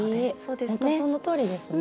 本当、そのとおりですね。